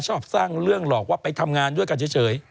ชอบสร้างเรื่องหลอกว่าไปทำงานด้วยกันเฉย